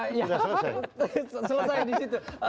sudah selesai di situ